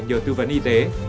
nhờ tư vấn y tế